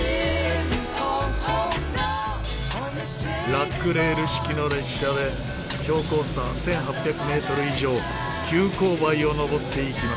ラックレール式の列車で標高差１８００メートル以上急勾配を登っていきます。